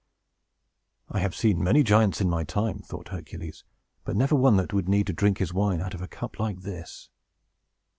"I have seen many giants, in my time," thought Hercules, "but never one that would need to drink his wine out of a cup like this!"